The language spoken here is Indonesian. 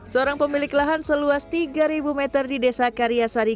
seorang pemilik lahan seluas tiga meter di desa karyasari